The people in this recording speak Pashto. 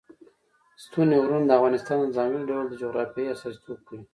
ستوني غرونه د افغانستان د ځانګړي ډول جغرافیه استازیتوب کوي.